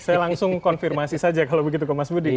saya langsung konfirmasi saja kalau begitu ke mas budi